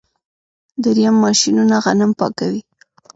دریم ماشینونه غنم پاکوي.